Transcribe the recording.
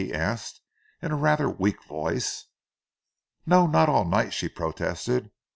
he asked in a rather weak voice. "No, not all night," she protested.